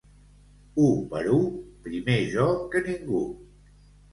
U per u, primer jo que ningú.